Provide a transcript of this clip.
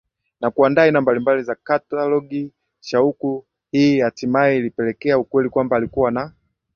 na kuandaa aina mbalimbali na catalogs shauku Hii hatimaye ilipelekea ukweli kwamba alikuwa na